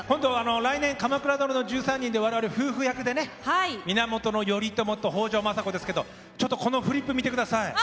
来年「鎌倉殿の１３人」で我々は夫婦役で源頼朝と北条政子ですけどもこのフリップ見てください。